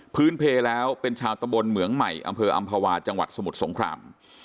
เพลแล้วเป็นชาวตะบนเหมืองใหม่อำเภออำภาวาจังหวัดสมุทรสงคราม